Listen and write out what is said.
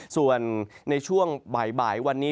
ส่วนในช่วงบ่ายวันนี้